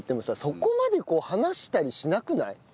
そこまで話したりしなくない？